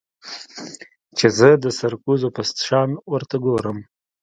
چې زه د سرکوزو په شان ورته گورم.